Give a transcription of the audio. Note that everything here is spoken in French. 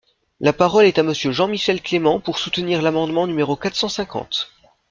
La parole est à Monsieur Jean-Michel Clément, pour soutenir l’amendement numéro quatre cent cinquante.